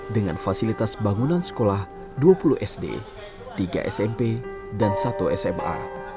dengan fasilitas bangunan sekolah dua puluh sd tiga smp dan satu sma